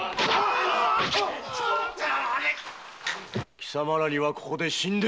貴様らにはここで死んでもらう。